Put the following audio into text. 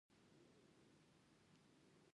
ټېله ورکړې وای، چې بېرته را وتلای، موږ ټول له موټرو.